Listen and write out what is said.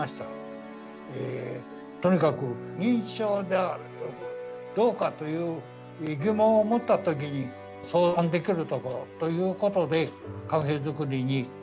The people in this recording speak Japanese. とにかく認知症だどうかという疑問を持った時に相談できるところということでカフェ作りに奔走したわけです。